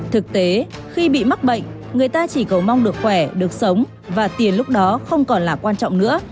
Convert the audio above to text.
thực tế khi bị mắc bệnh người ta chỉ cầu mong được khỏe được sống và tiền lúc đó không còn là quan trọng nữa